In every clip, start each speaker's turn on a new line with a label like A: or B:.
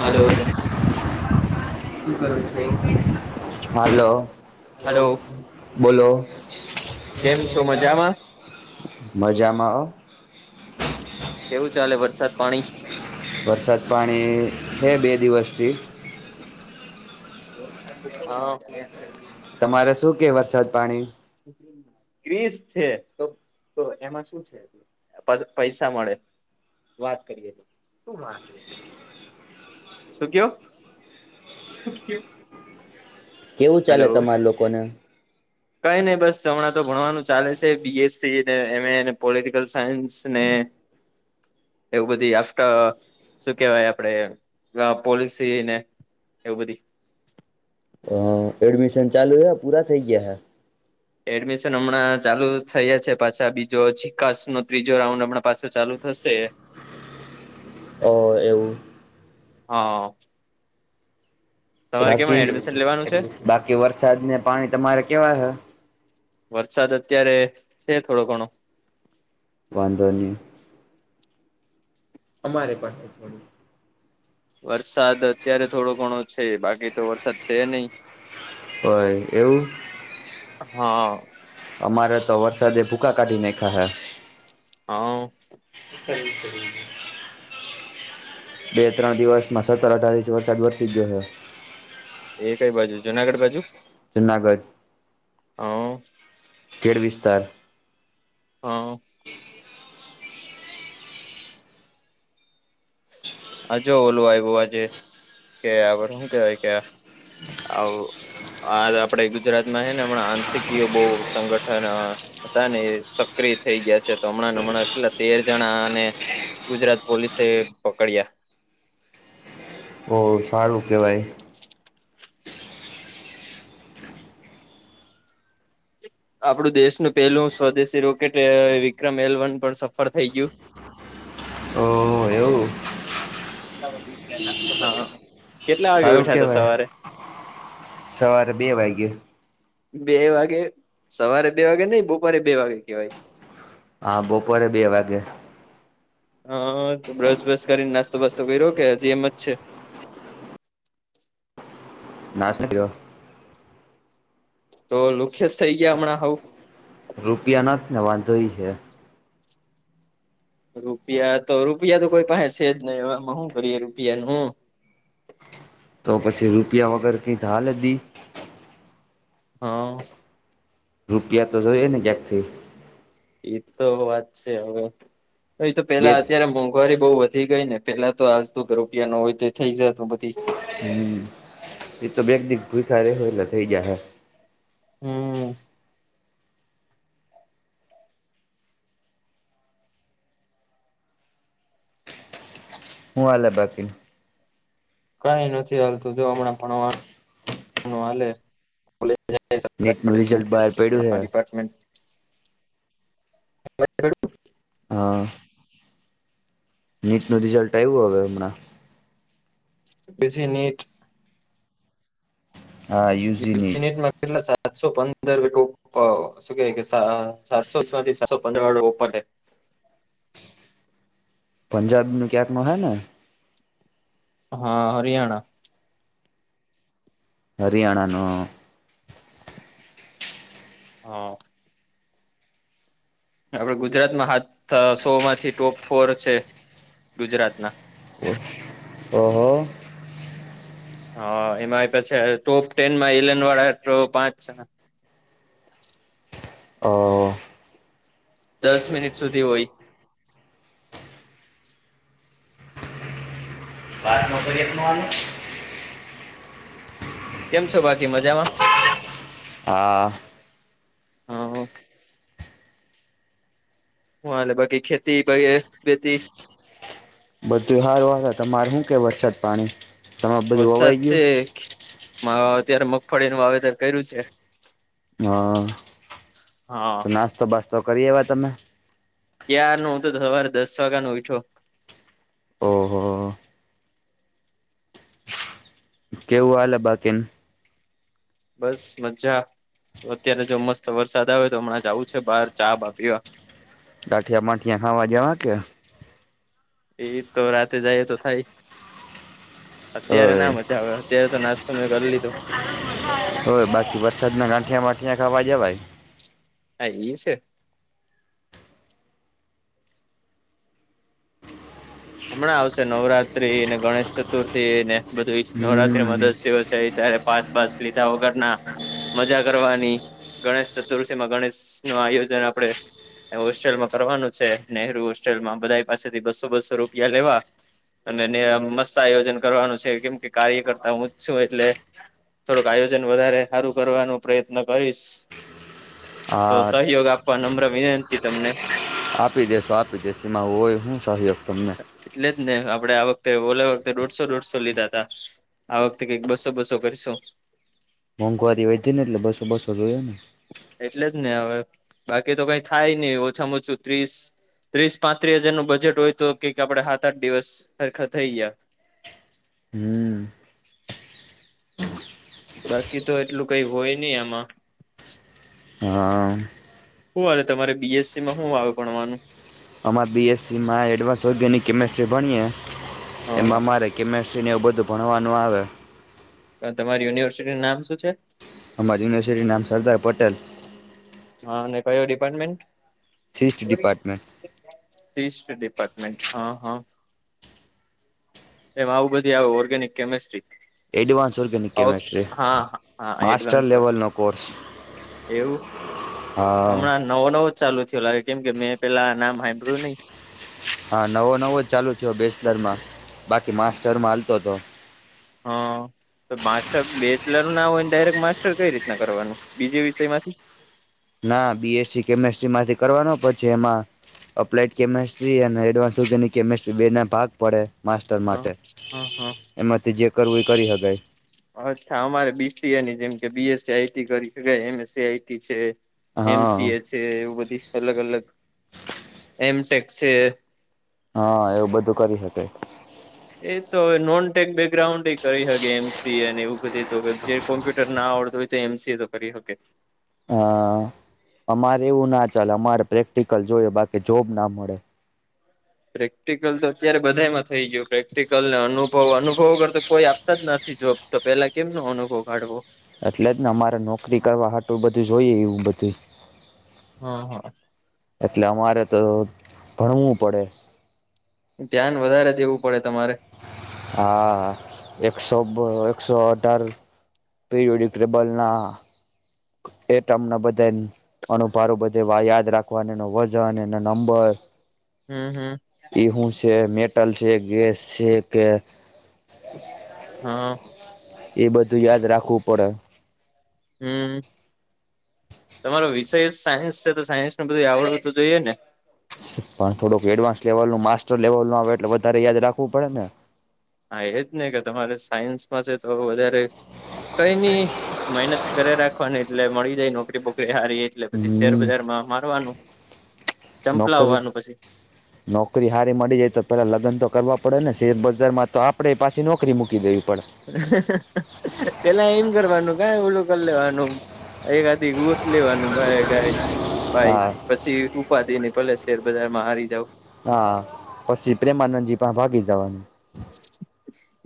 A: હાલો
B: શુ કરે છે હાલો
A: હલો
B: બોલો
A: કેમ છો મજામાં.
B: મજામાં.
A: કેવું ચાલે વરસાદ પાણી
B: વરસાદ પાણી છે બે દિવસથી
A: હા
B: તમારે શું કે વરસાદ પાણી?
A: ગ્રીસ છે તો તો એમાં શું છે. પૈસા મળે વાત કરીએ તો શું વાત શું કયો શું
B: કેવું ચાલે તમારા લોકોને.
A: કઈ નહી બસ હમણાં તો ભણવાનું ચાલે છે બીએસસી ને એમ એને પોલિટિકલ સાયન્સ ને [inaudible] એવું બધી આફ્ટર શું કેહેવાય આપડે પોલસીને એવું બધ
B: હ એડમિશન ચાલુ હ પૂરા થઈ ગયા હે.
A: એડમિશન હમણાં ચાલુ થયા છે પાછા બીજો જીકાસ નો ત્રીજો રાઉન્ડ હમણાં પાછો ચાલુ થશે.
B: ઓ એવું.
A: હા
B: [unintelligible]
A: તમારે
B: બાકી
A: કેમાં એડમિશન લેવાનું છે
B: બાકી વરસાદ ને પાણી તમારે કેવા હ
A: વરસાદ અત્યારે છે થોડો ઘણો
B: વાંધો નઈ. અમારે પણ થોડું.
A: વરસાદ અત્યારે થોડો ઘણો છે બાકી તો વરસાદ છે નહી.
B: હોય એવું.
A: હા
B: અમારે તો વરસાદે ભૂકા કાઢીનેખા હેં.
A: હા
B: કરી-કરી બે ત્રણ દિવસમાં સત્તર અઢાર ઇંચ વરસાદ વરસી ગયો છે.
A: એ કઈ બાજુ જુનાગઢ બાજુ?
B: જૂનાગઢ
A: હ
B: કેડ વિસ્તાર
A: હા હ જો ઓલું આવ્યો આજે કે શું કેવાય કે આવું આ આપડે ગુજરાત માં હે, ને હમણાં આંતકીય બહુ સંગઠન હતા ને સક્રિ થઈ ગયા છે, તો હમણાં હમણાં કેટલા તેર જણા અને ગુજરાત પોલીસે પકડીયા.
B: ઓ સારું કેવાય.
A: આપડું દેશનું પેલું સ્વદેશી રોકેટ વિક્રમ એલ વન પણ સફર થઈ ગયું.
B: ઓ એવું!
A: કેટલા વાગે
B: સારું
A: ઉઠ્યા હતા
B: કેવાય
A: સવારે?
B: સવારે બે વાગ્યે.
A: બે વાગે સવારે બે વાગે નઈ બપોરે બે વાગે કેવાય.
B: હા બપોરે બે વાગે.
A: હા તો બ્રસ મર્સ કરીને નાસ્તો વાસ્તો કરી રો કે હજી એમ જ છે?
B: નાશ ન કયો
A: તો લુખ્યસ થઈ ગયા હમણાં હઉ.
B: રૂપિયાનાથ નથ ને તો વાંધો ઇ હે.
A: રૂપિયા તો રૂપિયા તો કોઈ પાસે સે, જ નહી એ હું કરીએ રૂપિયા નું.
B: તો પછી રૂપિયા વગર કંઈ હાલ ની.
A: હા.
B: રૂપિયા તો જોઈએ ને ક્યાંકથી.
A: એ તો વાત સે, હવે એ તો
B: બે
A: પેલા અત્યારે વારી બઉુ વધી ગઈ ને પેલા તો આાલ તો કે રૂપિયા નો હોય તો થઈ જત બધી
B: હમ એતો બે દિવસ ભૂખાય ર એટલે થઇ જયા હે.
A: હમ.
B: હું અલે બાકી
A: કઈ નથી હાલતું જો હમણાં પણ હાલે. સરાર
B: નીટનું રિઝલ્ટ
A: પટેલ
B: બહાર પડ્યું હે
A: ડીપાર્ટમેન્ટ બ
B: હા. નીટનું રિઝલ્ટ આવ્યું હવે હમણાં.
A: બજી નેટ
B: હા
A: ય
B: યુજી નીટ
A: કેટલા સાતસો પંદર શું કે કે સાતસો માંથી સાતસો પંદર વાડ ઉપર લે
B: પંજાબી ન ક્યાંક ન હૈ ને.
A: હા હરિયાણા
B: હરિયાણાનો
A: હા. આપડ ગુજરાતમાં હાથ સો માંથી ટોપ ફોર છે, ગુજરાત ના
B: ઓહો.
A: હા એમાં પછી ટોપ ટેન માં ઇલેવન વાળા તો પાંચ
B: ઓ
A: દસ મિનિટ સુધી હોય.
B: વાત મોસ હ
A: કેમ છો બાકી મજામાં
B: હા
A: હા હ લ બાકી ખેતી પ બેતી-
B: બધું સારું વા તમારે શું કે વરસાદ પાણી તમારે બધું
A: વરસાદ
B: વવાઈ
A: છે
B: ગયું?
A: અત્યારે મગફળીનું વાવેતર કર્યું છે
B: હા
A: હા
B: તો નાસ્તો બાસ્તો કરી એયવા તમે
A: ક્યાર ન હું તો સવારે દસ વાગ્યા નો ઉયઠો
B: ઓહો કેવું આલે બાકીન
A: બસ મજા અત્યારે જો મસ્ત વરસાદ આવે તો હમણાં જવું છે બાર ચા બાપીવા-
B: ગાઠિયા બાાઠિયા ખાવા જવા કે-
A: એ તો રાતે જાયએ તો થાય અત્યારે ના
B: ઓય
A: મજા આવે અત્યારે તો નાસ્તો મેં કરી લીધો
B: હો બાકી વરસાદના ગાંઠિયા માઠિયા ખાવા જવાય
A: હા એઈ છે હમણાં આવશે નવરાત્રી ને ગણેશ ચતુર્થી ને બધું નવરાત્રીમાં
B: હમ
A: દસ છે ત્યારે પાસ બાસ લીધા વગર ના મજા કરવાની ગણેશ ચતુર્થીમાં ગણેશ નું આયોજન આપડે હોસ્ટેલમાં કરવાનું છે નનેહરુ હોસ્ટેલમાં બધા પાસેથી બસો બસો રૂપિયા લેવા અને મસ્ત આયોજન કરવાનું છે કેમ કે કાર્ય કરતા હું જ છું એટલે થોડુંક આયોજન વધારે હારું કરવાનો પ્રયત્ન કરીશ તો
B: હા
A: સહયોગ આપવા નમ્ર વિનંતી તમને
B: આપી દેેશો આપી દેશ એમાં હોય હું સહયોગ તમને
A: એટલે જ ને આપડે આ વખતે બોલ વખતે દોઢસો દોઢસો લીધા હતા આ વખતે કઈક બસો બસો કરીશો
B: મોંઘવારી વધી ને એટલે [unintelligible] જોયાને
A: એટલે જ ને હવે બાકી તો કઈ થાય નહી ઓછામાં ઓછું ત્રીસ ત્રીસ પાંત્રીસ હજારનું બજેટ હોય તો કંઈક આપડે હાત આઠ દિવસ હરખા થઈ ગયા.
B: હમ્મ.
A: બાકી તો એટલું કઈ હોય નહી આમાં
B: હા આ.
A: હું આવે તમારે બીએસસી માં હું આવે ભણવાનું?
B: અમારે બીએસસીમાં એડવાસ ઓર્ગેનિક કેમેસ્ટ્રી ભણીએ
A: હ
B: એમા મારે કેમેસ્ટ્રીને એવું બધું ભણવાનું આવે
A: અને તમારી યુનિવર્સિટી નામ શું છે?
B: અમારી યુનિવર્સિટીનું નામ સરદાર પટેલ
A: હા, અને કયો ડિપાર્ટમેન્ટ?
B: સિસ્ટ ડિપાર્ટમેન્ટ.
A: સિસ્ટ ડિપાર્ટમેન્ટ. અ હ. એમાં આવું બધી આવે organic chemistry.
B: Advance organic chemistry.
A: હા
B: માસ્ટર
A: એડવાન્સ
B: લેવલ
A: ઓર્ગેનિક.
B: નો કોર્સ.
A: એવું?
B: હા
A: હમણાં નવો નવો ચાલુ થયો લાગે કેમ કે મેં પેલા નામ હંબાળ્યું નઈ.
B: હા નવો નવો જ ચાલુ થયો બેચલરમાં બાકી માસ્ટરમાં હાલતોતો.
A: હઅ. તો માસ્ટર બેચલર ના હોય ને ડાયરેક્ટ માસ્ટર કઈ રીતના કરવાનું બીજે વિષયમાંથી?
B: ના બીએસસી કેમેસ્ટ્રીમાંથી કરવાનો પછી એમાં અપ્લાઈડ કેમિસ્ટ્રી અને એડવાન્સ ઓર્ગેનિક કેમિસ્ટ્રી બે ના ભાગ પડે માસ્ટર
A: હા
B: માટે.
A: હા હા
B: એમાંથી જે કરવું એ કરી હગાય.
A: અચ્છા! અમારે બી સી એની જેમ કે B S C I T કરી શકાય. M S C I T છે. એમ સી
B: હા
A: એ છે એવું બધી અલગ અલગ એમ ટેક છે.
B: હા, એવું બધું કરી હકાય.
A: એ તો હવે નોનટેક બેકગ્રાઉન્ડ‌એ કરી હગે એમ સી એ અને એવું બધી તો જે કોમ્પ્યુટર ના આવડતો હોય તો એમ સી એ તો કરી હકે.
B: હા, અમારે એવું ના ચાલે અમારે પ્રેક્ટિકલ જોયએ બાકી જોબ ના મળે.
A: પ્રેક્ટિકલ તો અત્યારે બધામાં થઇ ગ્યું. પ્રેક્ટિકલ ને અનુભવ. અનુભવ વગર તો કોઈ આપતા જ નથી જોબ. તો પેલા કેમનો અનુભવ કાઢવો?
B: એટલે જ ને અમારે નોકરી કરવા હાટું બધું જોઈએ એવું બધુંય.
A: અહ
B: એટલે અમારે તો ભણવું પડે.
A: ધ્યાન વધારે દેવું પડે તમારે.
B: હા. એકસો બ એકસો અઢાર પીરિઓડિક્ટબલના એ ટર્મના બધાયન અનુભારું બધે વા યાદ રાખવાનો એનો વજન, એનો નંબર
A: અમ હમ્મ.
B: એ હુ છે? મેટલ છે? ગેસ છે કે
A: હા.
B: એ બધું યાદ રાખવું પડે.
A: હમ્મ. તમારો વિષય સાયન્સ છે તો સાયન્સનુ બધુંય આવડવું તો જોઈએ ને?
B: પણ થોડુંક એડવાન્સ લેવલનું માસ્ટર લેવલનું આવે એટલે વધારે યાદ રાખવું પડે ને.
A: હા એજને કે તમારે સાયન્સમાં છે તો વધારે કંઈની મહેનત કર્યા રાખવાની એટલે મળી જાય નોકરી બોકરી હારી એટલે પછી
B: હમ
A: શેરબજારમાં મારવાનું
B: નોકરી
A: ચંપલાવવાનું પછી
B: નોકરી હારી મળી જાય તો પહેલાં લગ્ન તો કરવા પડે ને? શેરબજારમાં તો આપણે પાછી નોકરી મૂકી દેવી પડે.
A: પેલા એમ કરવાનું કાં ઓલું કરી લેવાનું. એક આધી ગોત લેવાનું ભાઇ અગારી. ભાઈ
B: હા
A: પછી ઉપાધી નય. ભલે શેરબજારમાં હારી જાવ.
B: હા પછી પ્રેમાનંદજી પાહે ભાગી જવાનું.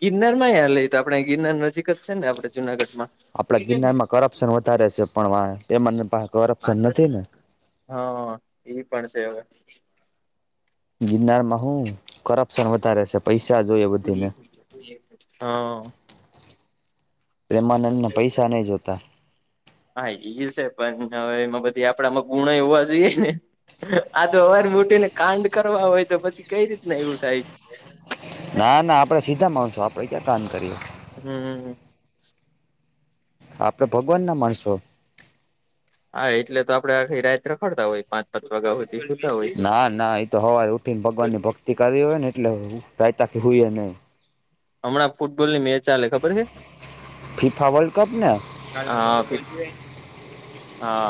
A: ગિરનારમાંય હાલે ઈ તો આપડે ગિરનાર નજીક જ છેને આપડે જુનાગઢમાં.
B: આપડા ગિરનારમાં કરપ્શન વધારે છે પણ વાંહે પ્રેમાનંદ પાહે કરપ્શન નથી ને?
A: હા ઈ પણ સે હવે.
B: ગિરનારમાં હું કરપ્શન વધારે છે. પૈસા જોઈએ બધીને
A: હા.
B: પ્રેમાનંદને પૈસા નહીં
A: [inaudible]
B: જોતા
A: હા એ સે પણ હવે એમાં બધી આપણામાં ગુણય હોવા જોઈએ ને. આ તો હવાર ઊઠીને કાંડ કરવા હોય તો પછી કઈ રીતના એવું થાય?
B: ના ના આપડે સીધા માણસો. આપડે ક્યાં કાંડ કરીએ?
A: હમ્મ.
B: આપણે ભગવાનના માણસો.
A: હા એટલે તો આપડે આખી રાઈત રખડતા હોય પાચ પાંચ વાગ્યા હુધી. તે હુ તો હોય.
B: ના ના એતો હવારે ઉઠીને ભગવાનની ભક્તિ કરવી હોયને એટલે ઘાયેતા કે હોય હુએ નહી.
A: હમણાં જ ફૂટબોલની મેચ હાલે ખબર હે?
B: ફિફા વર્લ્ડકપ ને?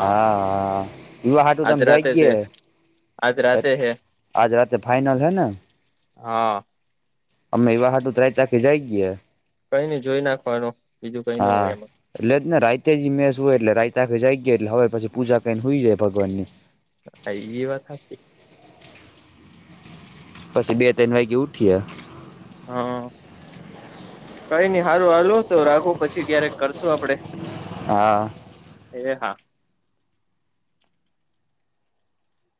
B: હા હા વિવા હાટું
A: આજ
B: તમ જાઈ
A: રાતે છે
B: ગયે,
A: આજ રાતે હે
B: આજ રાતેે ફાઈનલ હૈ ને,
A: હા.
B: અમે એવા હાટુ તો રાતા આખી જાય
A: કઈ નઈ જોઈ નાખવાનું બીજું કઈ નો હોય
B: હા
A: એમ.
B: એટલે જ ને રાઈતે ઈમેસ હોય એટલે રાઈતે આખે જાઈ ગ્યે એટલે હવારે પછી પૂજા કઈને હોઈ જાય ભગવાનની.
A: અ એ વાત હાચી.
B: પછી બે ત્રણ વાગે ઉઠીયે.
A: હ કઈ નઈ સારું હાલો તો રાખો પછી ક્યારેક કરશું આપડે.
B: હા.
A: એ હા.